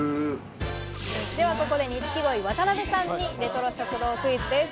ではここで錦鯉・渡辺さんにレトロ食堂クイズです。